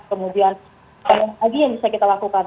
kemudian banyak lagi yang bisa kita lakukan